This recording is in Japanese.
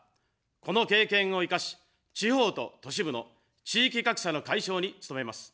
この経験を生かし、地方と都市部の地域格差の解消に努めます。